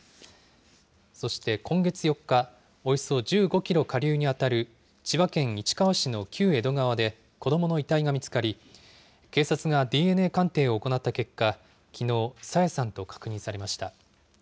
そして今月４日、およそ１５キロ下流に当たる千葉県市川市の旧江戸川で子どもの遺体が見つかり、警察がＤＮＡ鑑定を行った結果、きのう、朝芽さんと確認されました。